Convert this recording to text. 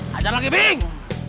hajar lagi bing